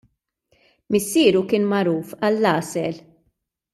Missieru kien magħruf għall-għasel.